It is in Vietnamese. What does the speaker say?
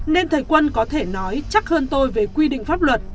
nên thầy quân có thể nói chắc hơn tôi về quy định pháp luật